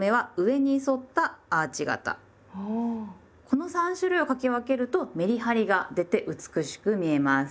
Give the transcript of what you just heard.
この３種類を書き分けるとメリハリが出て美しく見えます。